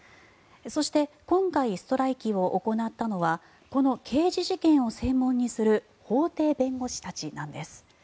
そして今回、ストライキを行ったのはこの刑事事件を専門にする法廷弁護士たちなんです。